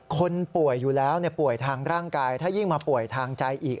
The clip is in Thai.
คนป่วยอยู่แล้วป่วยทางร่างกายถ้ายิ่งมาป่วยทางใจอีก